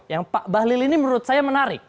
yang pak bahlil ini menurut saya menarik